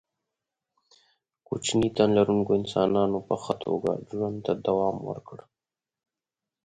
کوچني تن لرونکو انسانانو په ښه توګه ژوند ته دوام ورکړ.